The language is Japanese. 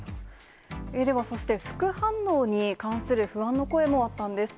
ではそして、副反応に関する不安の声もあったんです。